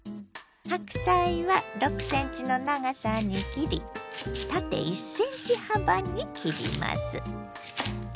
白菜は６ｃｍの長さに切り縦１ｃｍ幅に切ります。